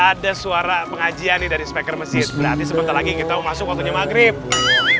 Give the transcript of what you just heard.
ada suara pengajian nih dari speaker masjid berarti sebentar lagi kita masuk waktunya maghrib